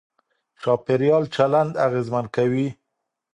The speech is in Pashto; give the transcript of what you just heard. چاپېريال چلند اغېزمن کوي.